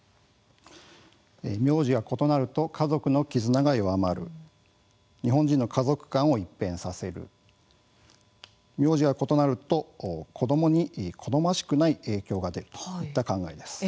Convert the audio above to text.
名字が異なると家族の絆が弱まる日本人の家族観を一変させる名字が異なると子どもに好ましくない影響が出るといった考えです。